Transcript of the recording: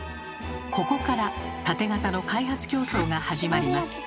ここからタテ型の開発競争が始まります。